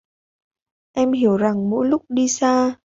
Em hiểu rằng mỗi lúc đi xa